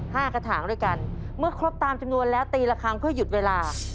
กระถางด้วยกันเมื่อครบตามจำนวนแล้วตีละครั้งเพื่อหยุดเวลา